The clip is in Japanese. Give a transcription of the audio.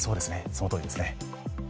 そのとおりですね。